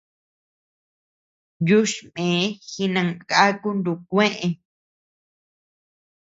Yuchme jinangaku nukuee.